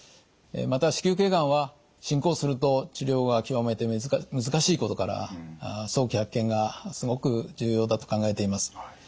また子宮頸がんは進行すると治療が極めて難しいことから早期発見がすごく重要だと考えています。